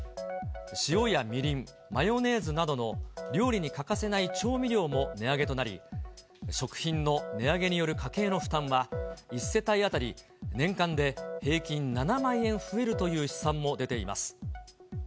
塩やみりん、マヨネーズなどの料理に欠かせない調味料も値上げとなり、食品の値上げによる家計の負担は、１世帯当たり年間で平均７万円増えるという試算も出ています。